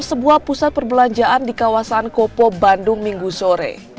sebuah pusat perbelanjaan di kawasan kopo bandung minggu sore